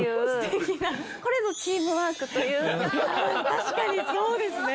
確かにそうですね。